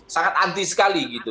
sangat anti sekali gitu